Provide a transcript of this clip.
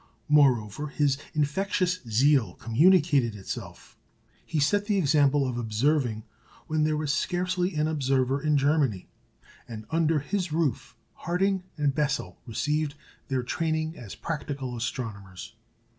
Moreover, his infectious zeal communicated itself; he set the example of observing when there was scarcely an observer in Germany; and under his roof Harding and Bessel received their training as practical astronomers.